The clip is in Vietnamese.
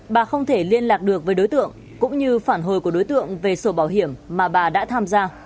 bà không thể liên lạc được với đối tượng cũng như phản hồi của đối tượng về sổ bảo hiểm mà bà đã tham gia